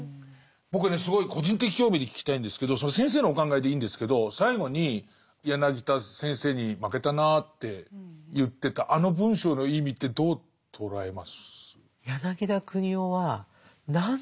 僕はねすごい個人的興味で聞きたいんですけど先生のお考えでいいんですけど最後に柳田先生に負けたなって言ってたあの文章の意味ってどう捉えます？